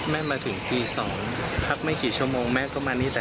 แม่มาถึงปี๒ทักไม่กี่ชั่วโมงแม่ก็มานี้